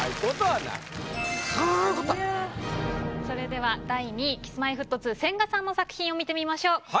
それでは第２位Ｋｉｓ−Ｍｙ−Ｆｔ２千賀さんの作品を見てみましょう。